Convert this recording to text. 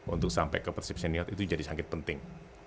untuk sampai ke persib senior itu jadi sangat penting